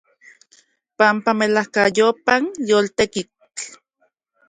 Panpa melajkayopa yoltetik.